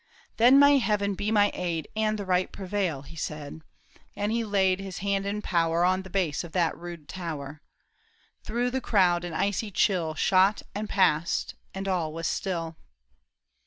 ''Then may Heaven be my aid. And the right prevail !" he said. And he laid his hand in power On the base of that rude tower. Through the crowd an icy chill Shot and passed, and all was still.